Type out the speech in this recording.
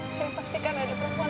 tapi pastikan ada perempuan lain kan